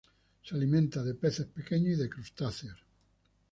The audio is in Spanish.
Se alimenta de peces pequeños y de crustáceos.